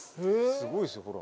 すごいですよほら。